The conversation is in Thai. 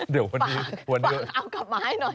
เดี๋ยววันนี้เดี๋ยวเอากลับมาให้หน่อย